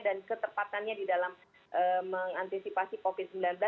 dan keterpatannya di dalam mengantisipasi covid sembilan belas